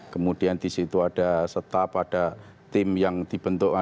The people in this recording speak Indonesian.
kemudian di situ ada staf ada tim yang dibentuk